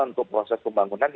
untuk proses pembangunan